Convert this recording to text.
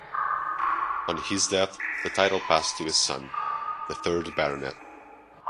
On his death the title passed to his son, the third Baronet.